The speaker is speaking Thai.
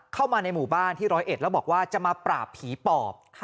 เข้ามาในหมู่บ้านที่ร้อยเอ็ดแล้วบอกว่าจะมาปราบผีปอบ